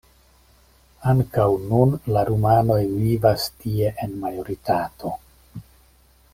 Ankaŭ nun la rumanoj vivas tie en majoritato.